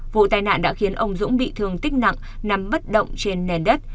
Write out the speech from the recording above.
vụ tai nạn đã khiến ông dũng bị thương tích nặng nằm bất động trên nền đất